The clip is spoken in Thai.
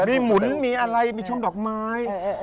มีหมุ้นมีชมดอกไม้